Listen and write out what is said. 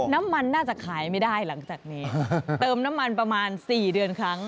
น่าจะขายไม่ได้หลังจากนี้เติมน้ำมันประมาณ๔เดือนครั้ง